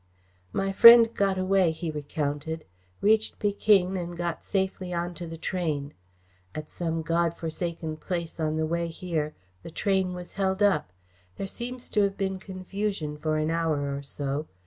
"My friend got away," he recounted; "reached Pekin and got safely on to the train. At some God forsaken place on the way here, the train was held up. There seems to have been confusion for an hour or so.